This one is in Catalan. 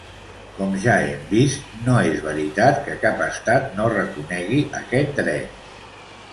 Com ja hem vist, no és veritat que cap estat no reconegui aquest dret.